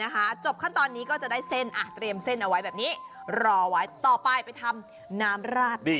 นะตอนนี้ฆ่าตอนรอไว้ต่อไปไปทำน้ำราดหน้า